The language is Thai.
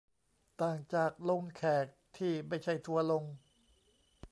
ต่างจากลงแขก ที่ไม่ใช่ทัวร์ลง